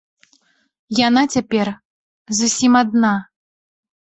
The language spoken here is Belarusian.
Яна цяпер зусім адна.